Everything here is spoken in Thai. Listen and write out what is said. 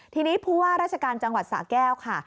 ทีนี้ผู้ว่าราชการจังหวัดสะแก้วค่ะ